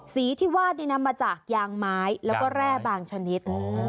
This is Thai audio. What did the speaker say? สีที่วาดนี่นำมาจากยางไม้แล้วก็แร่บางชนิด